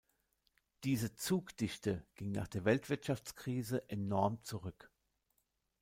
Diese Zugdichte ging nach der Weltwirtschaftskrise enorm zurück.